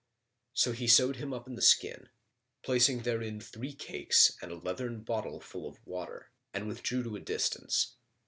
So he sewed him up in the skin, placing therein three cakes and a leathern bottle full of water, and withdrew to a distance.